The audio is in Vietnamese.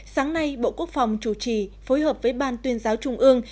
một một mươi hai hai nghìn hai mươi sáng nay bộ quốc phòng chủ trì phối hợp với ban tuyên giáo trung ương